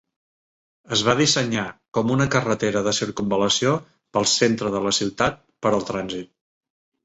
Es va dissenyar com una carretera de circumval·lació pel centre de la ciutat per al trànsit.